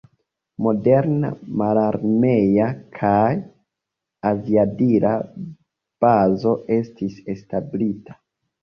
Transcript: Moderna mararmea kaj aviadila bazo estis establita.